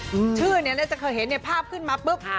ชื่อนี้เราจะเคยเห็นภาพขึ้นมาปุ๊บ